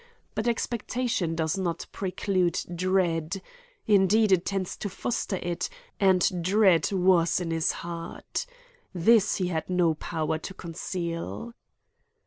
But expectation does not preclude dread; indeed it tends to foster it, and dread was in his heart. This he had no power to conceal.